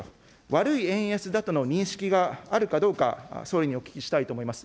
悪い円安だとの認識があるかどうか、総理にお聞きしたいと思います。